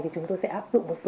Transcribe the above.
thì chúng tôi sẽ áp dụng một số